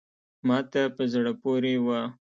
ما ته په زړه پوري وه …